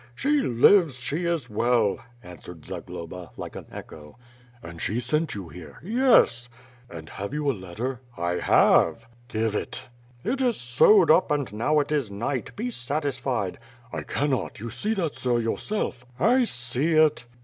"She lives; she is well," answered Zagloba, like an echo. "And she sent you here?" "Yes." "And have you a letter?" "1 have." "Give it." "It is sewed up and now it is night; be satisfied." "I cannot; you see that sir, yourself.'" "I see it."